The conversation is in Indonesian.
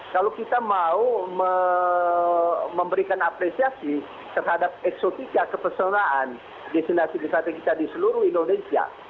kalau kita mau memberikan apresiasi terhadap eksotika kepesonaan destinasi wisata kita di seluruh indonesia